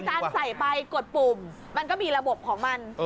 หมู่ขวันอะไรไปกดปุ่มมันก็มีระบบของมัน